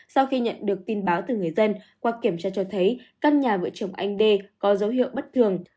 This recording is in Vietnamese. sau khi nhận được tin báo từ người dân qua kiểm tra cho thấy căn nhà vợ chồng anh đê có dấu hiệu bất thường